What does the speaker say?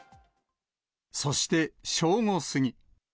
そして、正午過ぎ。